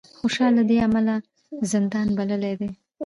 خوشال له دې امله زندان بللی دی